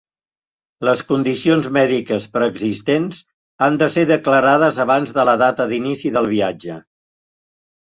Les condicions mèdiques preexistents han de ser declarades abans de la data d'inici del viatge.